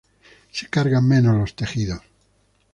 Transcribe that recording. Se cargan menos los tejidos.